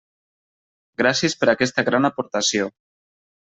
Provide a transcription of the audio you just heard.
Gràcies per aquesta gran aportació.